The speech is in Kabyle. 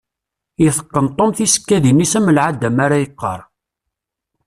Iteqqen Tom tisekkadin-is am lɛada mi ara yeqqar.